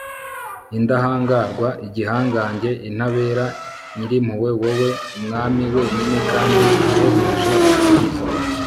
indahangarwa igihangange intabera nyir'impuhwe wowe mwami wenyine kandi uhebuje ubwiza